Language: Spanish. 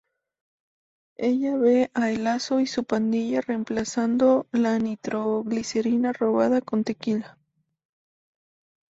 Ella ve a El Lazo y su pandilla reemplazando la nitroglicerina robada con tequila.